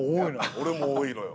俺も多いのよ